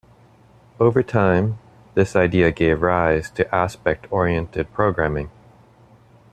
Over time, this idea gave rise to aspect-oriented programming.